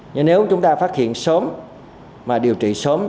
nhưng nếu chúng ta phát hiện sớm mà điều trị sớm